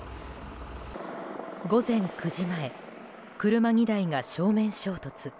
午前９時前、車２台が正面衝突。